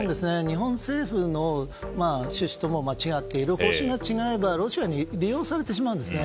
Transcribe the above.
日本政府の趣旨とも違っていて方針が違えばロシアに利用されてしまうんですね。